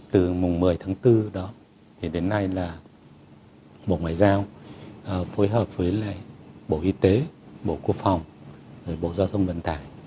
từ mùng một mươi tháng bốn đó thì đến nay là bộ ngoại giao phối hợp với lại bộ y tế bộ quốc phòng bộ giao thông vận tải